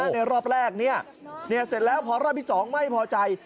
ในรอบแรกเสร็จแล้วพอรอบที่๒ไม่พอใจ